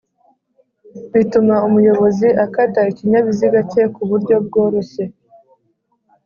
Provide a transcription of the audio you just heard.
bituma umuyobozi akata ikinyabiziga cye ku buryo bworoshye